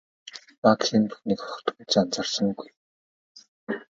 Макс энэ бүхнийг огтхон ч анхаарсангүй.